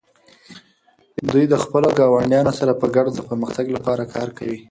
دوی د خپلو ګاونډیانو سره په ګډه د پرمختګ لپاره کار کوي.